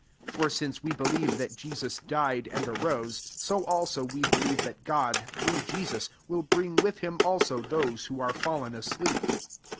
14 For since we believe that Jesus died, and arose; so also, we believe that God, through Jesus, will bring with him also those who are fallen asleep.